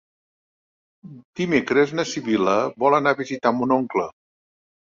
Dimecres na Sibil·la vol anar a visitar mon oncle.